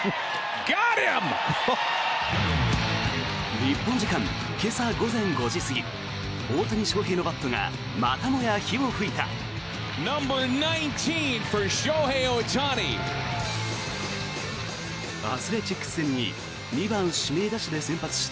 日本時間今朝午前５時過ぎ大谷翔平のバットがまたもや火を噴いた。